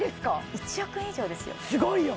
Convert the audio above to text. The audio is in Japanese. １億円以上ですよすごいよ！